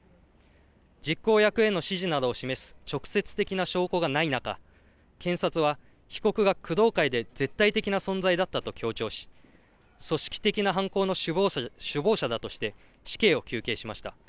実行役などへの指示などを示す直接的な証拠がない中、検察は、被告が工藤会で絶対的な存在だったと強調し、組織的な犯行の首謀者だとして、死刑を求刑しました。